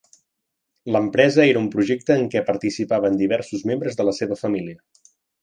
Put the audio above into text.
L'empresa era un projecte en què participaven diversos membres de la seva família.